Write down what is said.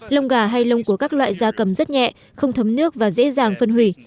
lông gà hay lông của các loại da cầm rất nhẹ không thấm nước và dễ dàng phân hủy